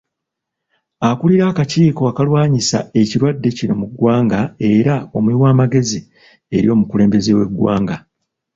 Akulira akakiiko akalwanyisa ekirwadde kino mu ggwanga era omuwi w’amagezi eri omukulembeze w'eggwanga.